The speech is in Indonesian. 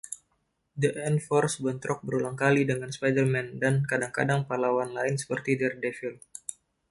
The Enforcers bentrok berulang kali dengan Spider-Man dan kadang-kadang pahlawan lain seperti Daredevil.